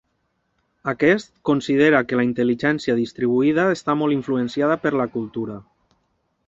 Aquest, considera que la intel·ligència distribuïda està molt influenciada per la cultura.